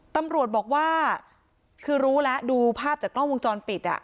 ตำรวจบอกว่าคือรู้แล้วดูภาพจากกล้องวงจรปิด